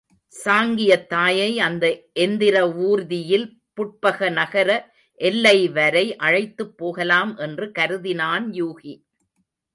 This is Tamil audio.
சாங்கியத் தாயை அந்த எந்திர வூர்தியில் புட்பக நகர எல்லைவரை அழைத்துப் போகலாம் என்று கருதினான் யூகி.